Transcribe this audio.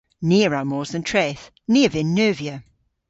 Ni a wra mos dhe'n treth. Ni a vynn neuvya.